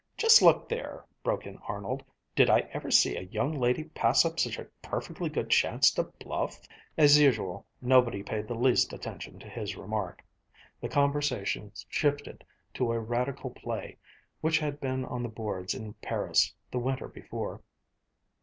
"Just look there!" broke in Arnold. "Did I ever see a young lady pass up such a perfectly good chance to bluff!" As usual nobody paid the least attention to his remark. The conversation shifted to a radical play which had been on the boards in Paris, the winter before.